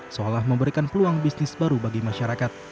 seolah memberikan peluang bisnis baru bagi masyarakat